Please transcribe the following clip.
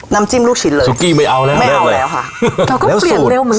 น้ำจิ้มลูกชิ้นเลยสุกี้ไม่เอาแล้วไม่เอาแล้วค่ะเราก็เปลี่ยนเร็วเหมือนกัน